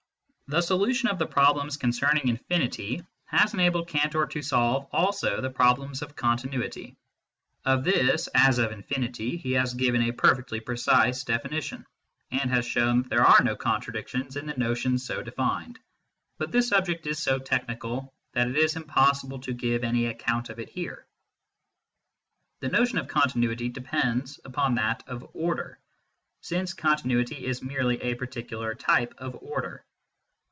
The solution of the problems concerning infinity has enabled Cantor to solve also the problems of continuity. Of this, as of infinity, he has given a perfectly precise definition, and has shown that there are no contradictions in the notion so defined. But this subject is so technical that it is impossible to give any account of it here. The notion of continuity depends upon that of order, since continuity is merely a particular type of order.